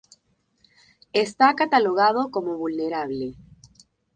Está catalogado como vulnerable.